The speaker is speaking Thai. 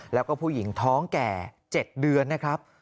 แล้วก็ผู้หญิงท้องแก่๗เดือนนะครับ